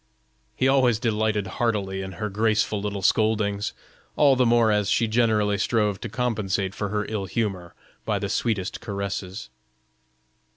He always delighted heartily in her graceful little scoldings, all the more as she generally strove to compensate for her ill humor by the sweetest caresses.